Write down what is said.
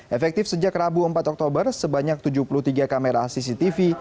efektif sejak rabu empat oktober sebanyak tujuh puluh tiga kamera cctv